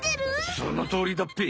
そのとおりだっぺ。